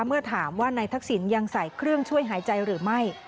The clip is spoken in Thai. เมื่อถามว่านายทักษิณยังใส่เครื่องช่วยหายใจหรือไม่